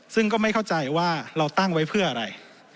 ซึ่งก็ไม่เข้าใจว่าเราตั้งไว้เพื่ออะไร